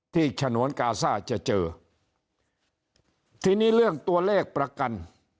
ฉนวนกาซ่าจะเจอทีนี้เรื่องตัวเลขประกัน